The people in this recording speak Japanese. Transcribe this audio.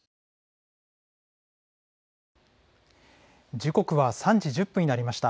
時刻は３時１０分になりました。